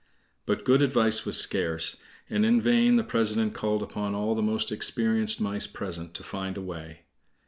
But good advice was scarce, and in vain the president called upon all the most experienced mice present to find a way.